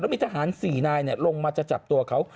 มีทหาร๔นายลงมาจะจับตัวเขา